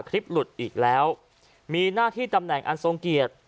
คลิปหลุดอีกแล้วมีหน้าที่ตำแหน่งอันทรงเกียรติ